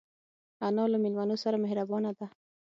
انا له مېلمنو سره مهربانه ده